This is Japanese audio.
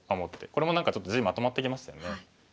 これもちょっと地まとまってきましたよね。